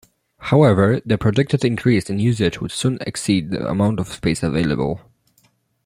However, the projected increase in usage would soon exceed the amount of space available.